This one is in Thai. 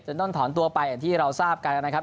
ต้องถอนตัวไปอย่างที่เราทราบกันนะครับ